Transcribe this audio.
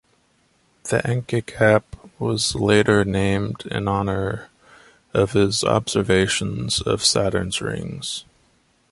The Encke Gap was later named in honour of his observations of Saturn's rings.